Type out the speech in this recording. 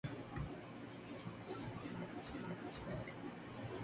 El musical fue producido por Carlos Ortiz, Mauricio García y Jorge D'Alessio.